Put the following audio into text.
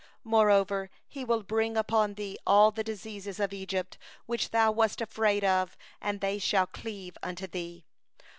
60And He will bring back upon thee all the diseases of Egypt, which thou wast in dread of; and they shall cleave unto thee.